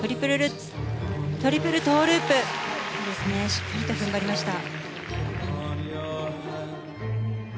しっかりと踏ん張りました。